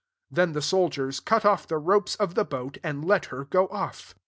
^t 32 Then the sol diers cut off the ropes of the boat, and let her go off.